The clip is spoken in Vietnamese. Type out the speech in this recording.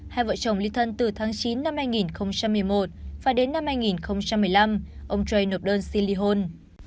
hai vợ chồng ly thân từ tháng chín năm hai nghìn một mươi một và đến năm hai nghìn một mươi năm ông chay nộp đơn xin ly hôn